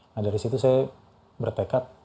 nah dari situ saya bertekad